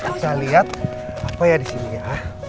kita jalan bisa liat apa ya di sini ya